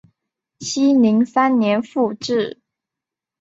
熙宁三年复置。